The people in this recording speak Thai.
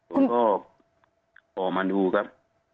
ผมก็ออกมาดูครับ